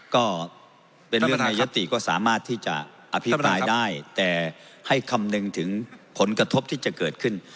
ก็เป็นเรื่องในยติก็สามารถที่จะอภิปรายได้แต่ให้คำนึงถึงผลกระทบที่จะเกิดขึ้น